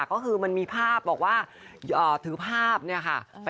ก็คือมันมีภาพบอกว่าถือภาพเนี่ยค่ะ